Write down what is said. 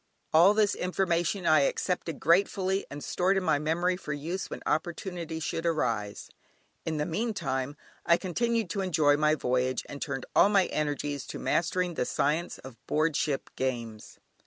All this information I accepted gratefully and stored in my memory for use when opportunity should arise. In the meantime I continued to enjoy my voyage, and turned all my energies to mastering the science of board ship games.